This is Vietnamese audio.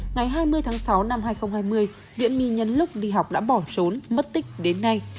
ngày hai mươi tháng sáu năm hai nghìn hai mươi nguyễn my nhân lúc đi học đã bỏ trốn mất tích đến nay